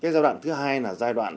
giai đoạn thứ hai là giai đoạn